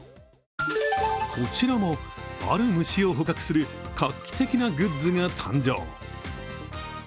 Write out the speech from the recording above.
こちらもある虫を捕獲する画期的なグッズが誕生。